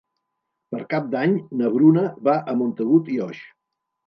Per Cap d'Any na Bruna va a Montagut i Oix.